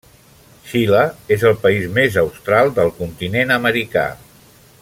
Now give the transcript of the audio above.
Xile és el país més austral del continent americà.